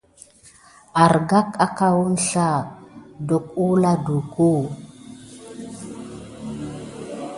Ərga aka əŋslah magaoula las na don wula duko.